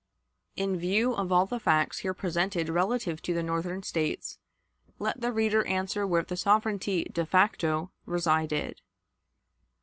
In view of all the facts here presented relative to the Northern States, let the reader answer where the sovereignty de facto resided.